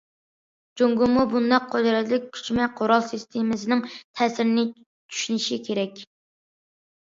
جۇڭگومۇ بۇنداق قۇدرەتلىك كۆچمە قورال سىستېمىسىنىڭ تەسىرىنى چۈشىنىشى كېرەك.